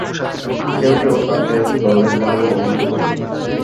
কেউ কেউ তাকে দরবেশ বলেও অভিহিত করেন।